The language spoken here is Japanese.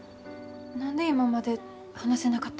何で今まで話せなかったわけ？